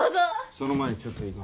その前にちょっといいか？